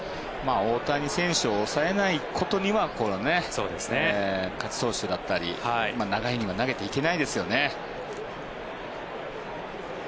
大谷選手を抑えないことには勝ち投手だったり長いイニングは投げていけないですよね。